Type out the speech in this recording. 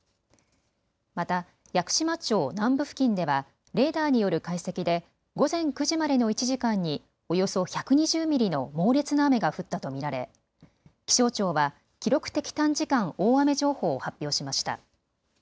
また、屋久島町南部付近ではレーダーによる解析で午前９時までの１時間におよそ１２０ミリの猛烈な雨が降ったと見られ気象庁は記録的短時間大雨情報を発表しました。